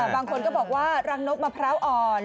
บางคนก็บอกว่ารังนกมะพร้าวอ่อน